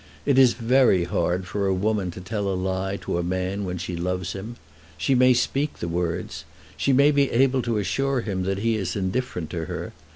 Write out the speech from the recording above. It is very hard for a woman to tell a lie to a man when she loves him. She may speak the words. She may be able to assure him that he is indifferent to her.